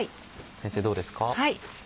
先生どうですか？